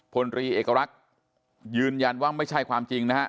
พลตรีเอกลักษณ์ยืนยันว่าไม่ใช่ความจริงนะฮะ